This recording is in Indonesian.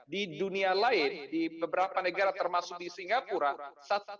di dunia lain di beberapa negara termasuk di south korea di indonesia bahkan